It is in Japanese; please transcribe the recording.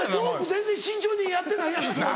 全然慎重にやってないやんけ